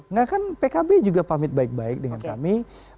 enggak kan pkb juga pamit baik baik dengan kami